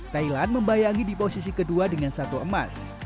thailand membayangi di posisi kedua dengan satu emas